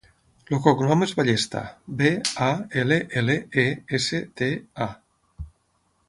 El cognom és Ballesta: be, a, ela, ela, e, essa, te, a.